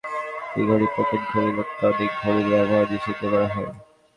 এবার পরীক্ষার হলে পরীক্ষার্থীদের হাতঘড়ি, পকেট ঘড়ি, ইলেকট্রনিক ঘড়ির ব্যবহার নিষিদ্ধ করা হয়।